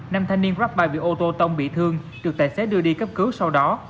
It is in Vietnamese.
nam thanh niên grabi bị ô tô tông bị thương được tài xế đưa đi cấp cứu sau đó